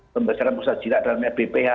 pembesaran prostat jinak dalamnya bph